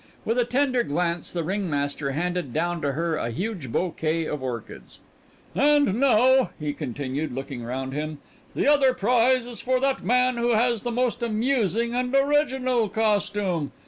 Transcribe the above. With a tender glance the ringmaster handed down to her a huge bouquet of orchids. "And now," he continued, looking round him, "the other prize is for that man who has the most amusing and original costume.